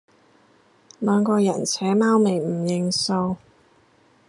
兩個人扯貓尾唔認數